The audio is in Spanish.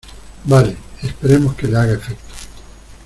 vale. esperemos que le haga efecto .